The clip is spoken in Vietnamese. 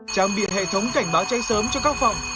trang bị hệ thống cảnh báo cháy sớm cho các phòng